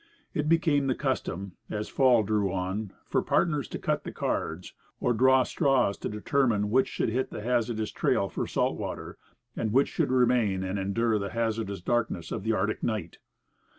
It became the custom, as fall drew on, for partners to cut the cards or draw straws to determine which should hit the hazardous trail for salt water, and which should remain and endure the hazardous darkness of the Arctic night.